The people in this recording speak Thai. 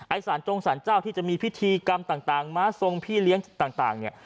สารจงสารเจ้าที่จะมีพิธีกรรมต่างม้าทรงพี่เลี้ยงต่างเนี่ย